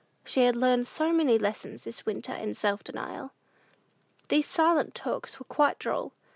She had learned so many lessons this winter in self denial! These "silent talks" were quite droll.